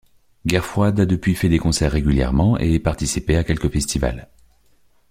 Guerre Froide a depuis fait des concerts régulièrement et participé à quelques festivals.